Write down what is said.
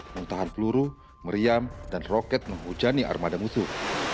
muntahan peluru meriam dan roket menghujani armada musuh